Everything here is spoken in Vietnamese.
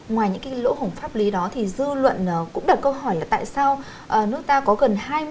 ngoài những cái lỗ hổng pháp lý đó thì dư luận cũng đặt câu hỏi là tại sao nước ta có gần hai mươi